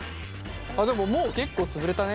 あっでももう結構つぶれたね。